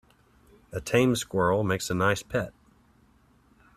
A tame squirrel makes a nice pet.